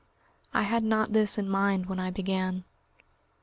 I had not this in mind when I began.